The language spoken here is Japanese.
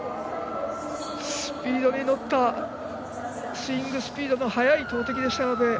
スピードに乗ったスイングスピードの速い投てきでした。